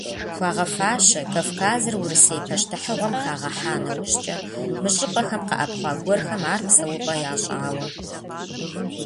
Хуагъэфащэ, Кавказыр Урысей пащтыхьыгъуэм хагъэхьа нэужькӀэ, мы щӀыпӀэхэм къэӀэпхъуа гуэрхэм ар псэупӀэ ящӀауэ.